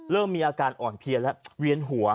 เริ่มมีอาการอ่อนเพลียแล้วเวียนหัว